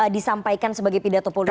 disampaikan sebagai pidato politik